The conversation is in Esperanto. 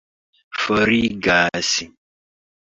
forigas